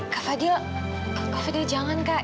kak fadil kak fadil jangan kak